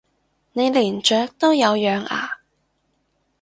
你連雀都有養啊？